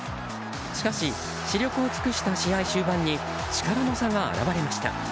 しかし死力を尽くした試合終盤に力の差が表れました。